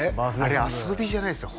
あれ遊びじゃないっすよ